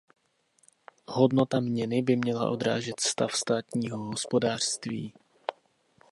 Hodnota měny by měla odrážet stav státního hospodářství.